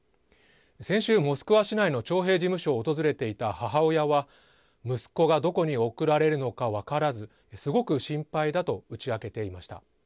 先週、モスクワ市内の徴兵事務所を訪れていた母親は息子がどこに送られるのか分からずすごく心配だと打ち明けていました。